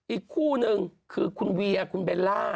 อีกคู่นึงคือคุณเวียคุณเบลล่า